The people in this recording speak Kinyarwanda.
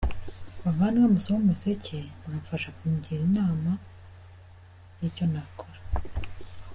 Bavandimwe musoma Umuseke, mwamfasha kungira inama y’icyo nakora.